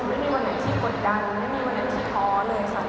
ไม่มีวันไหนที่กดดันไม่มีวันไหนที่ท้อเลยค่ะ